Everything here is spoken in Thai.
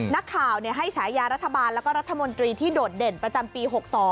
นักข่าวให้ฉายารัฐบาลแล้วก็รัฐมนตรีที่โดดเด่นประจำปี๖๒